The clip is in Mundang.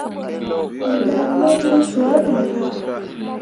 Wǝ laa lai zah swaa ɓirah.